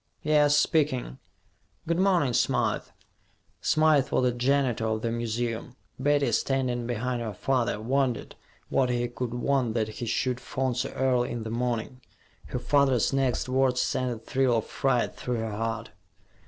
Yes, speaking. Good morning, Smythe." Smythe was the janitor of the museum. Betty, standing behind her father, wondered what he could want that he should phone so early in the morning. Her father's next words sent a thrill of fright through her heart.